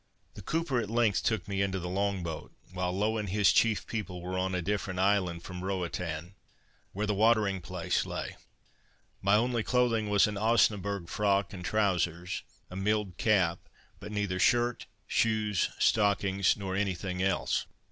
The cooper at length took me into the long boat, while Low, and his chief people, were on a different island from Roatan, where the watering place lay; my only clothing was an Osnaburgh frock and trowsers, a milled cap, but neither shirt, shoes, stockings, nor any thing else.